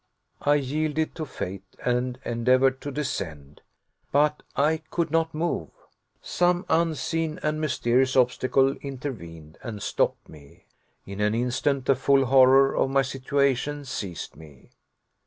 I yielded to fate and endeavored to descend. But I could not move. Some unseen and mysterious obstacle intervened and stopped me. In an instant the full horror of my situation seized me.